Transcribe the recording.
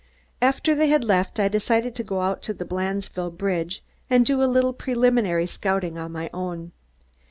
After they had left, I decided to go out to the Blandesville bridge and do a little preliminary scouting on my own.